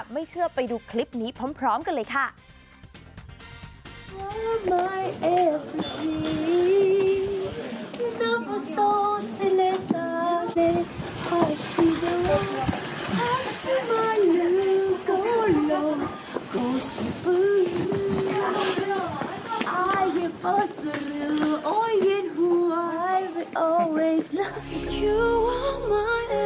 ไม่เชื่อไปดูคลิปนี้พร้อมกันเลยค่ะ